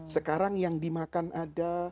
sekarang yang dimakan ada